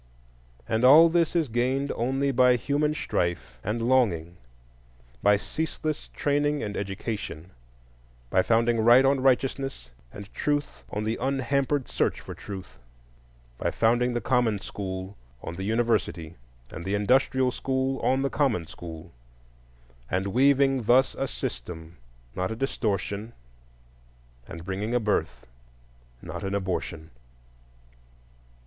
And all this is gained only by human strife and longing; by ceaseless training and education; by founding Right on righteousness and Truth on the unhampered search for Truth; by founding the common school on the university, and the industrial school on the common school; and weaving thus a system, not a distortion, and bringing a birth, not an abortion.